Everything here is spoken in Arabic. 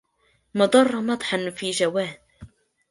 ما ضر مدحا في جواد